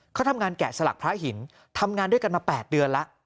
เขาทำงานแกะสลักพระหินทำงานด้วยกันมา๘เดือนแล้ว